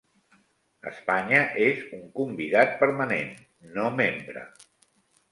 Espanya és un convidat permanent no membre.